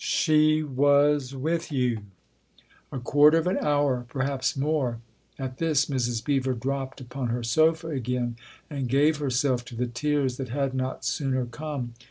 " She was with you ?" "A quarter of an hour perhaps more." At this Mrs. Beever dropped upon her sofa again and gave herself to the tears that had not sooner come.